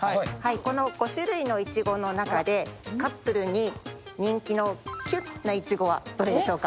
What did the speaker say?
この５種類のいちごの中でカップルに人気のきゅんないちごはどれでしょうか。